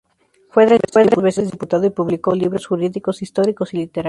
Fue tres veces diputado y publicó libros jurídicos, históricos y literarios.